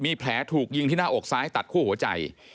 มีแผลถูกยิงที่หน้าอกซ้ายตัดคั่วหัวใจ